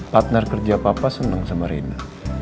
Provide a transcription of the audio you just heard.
partner kerja papa senang sama rina